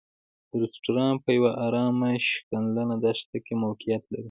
دا رسټورانټ په یوه ارامه شګلنه دښته کې موقعیت لري.